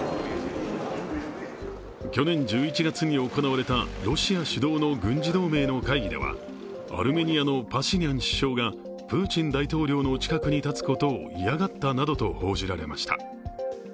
去年１１月に行われたロシア主導の軍事同盟の会議では、アルメニアのパシニャン首相がプーチン大統領の近くに立つことを嫌がったなどと報じられました。